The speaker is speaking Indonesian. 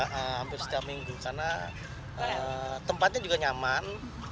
hampir setiap minggu karena tempatnya juga nyaman